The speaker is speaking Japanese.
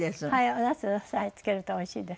おナス漬けるとおいしいです。